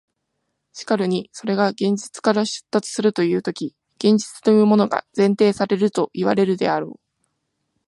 しかるにそれが現実から出立するというとき、現実というものが前提されるといわれるであろう。